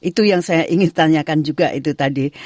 itu yang saya ingin tanyakan juga itu tadi